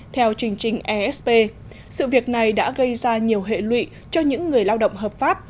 theo chương trình esp sự việc này đã gây ra nhiều hệ lụy cho những người lao động hợp pháp